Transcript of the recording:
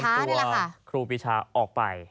กำลังนำตัวครูปีชาออกไป